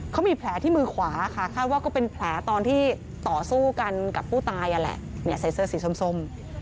เขามีแผลที่มือขวาค่ะคาดว่าก็เป็นแผลตอนที่ต่อสู้กันกับผู้ตายนั่นแหละใส่เสื้อสีส้ม